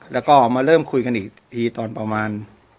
แล้วก็มาเริ่มคุยกันอีกทีตอนประมาณ